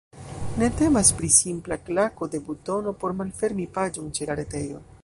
Ne temas pri simpla klako de butono por malfermi paĝon ĉe la retejo.